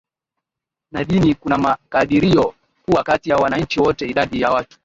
na dini kuna makadirio kuwa kati ya wananchi wote Idadi ya watu